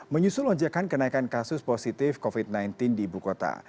menyusul lonjakan kenaikan kasus positif covid sembilan belas di ibu kota